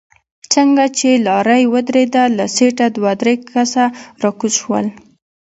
څنګه چې لارۍ ودرېده له سيټه دوه درې کسه راکوز شول.